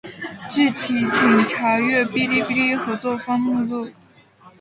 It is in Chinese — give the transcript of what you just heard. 具体请查阅《哔哩哔哩合作方目录》。